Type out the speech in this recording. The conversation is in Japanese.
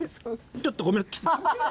ちょっとごめんなさい。